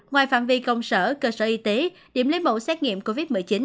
ngoài phạm vi công sở cơ sở y tế điểm lấy mẫu xét nghiệm covid một mươi chín